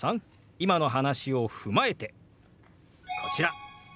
今の話を踏まえてこちら。